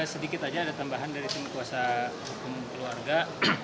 sedikit saja ada tambahan dari tim kuasa hukum keluarga